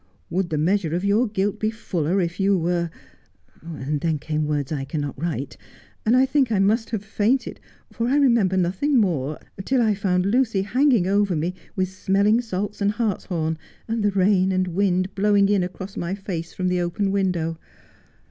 Would the measure of your guilt be fuller if you were "— and then came words I cannot write, and I think I must have fainted, for I remember nothing more till I found Lucy hanging over me with smelling salts and harts horn, and the rain and wind blowing in across my face from the open window.